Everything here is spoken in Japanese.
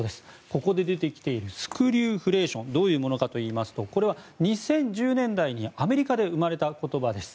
ここで出てきているスクリューフレーションどういうものかというとこれは２０１０年代にアメリカで生まれた言葉です。